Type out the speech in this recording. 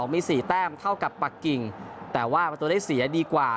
มี๔แต้มเท่ากับปักกิ่งแต่ว่าประตูได้เสียดีกว่า